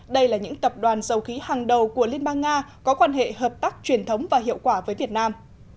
đây là những tập đoàn dầu khí hàng đầu của liên bang nga có quan hệ hợp tác truyền thống và hiệu quả với việt nam